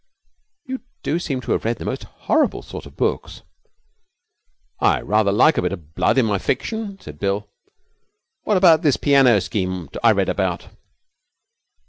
'You do seem to have read the most horrible sort of books.' 'I rather like a bit of blood with my fiction,' said Bill. 'What about this piano scheme I read about?'